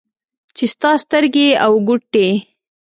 چې ستا سترګې او ګوټې